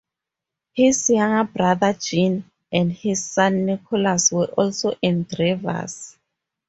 His younger brother Jean, and his son Nicholas, were also engravers.